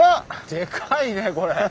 でかいねこれ。